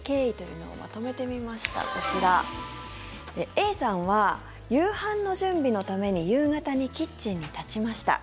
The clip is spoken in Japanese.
Ａさんは夕飯の準備のために夕方にキッチンに立ちました。